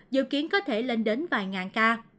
dự kiến có thể lên đến vài ngàn ca